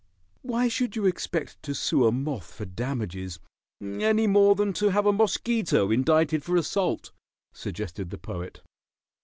"Why should you expect to sue a moth for damages any more than to have a mosquito indicted for assault?" suggested the Poet.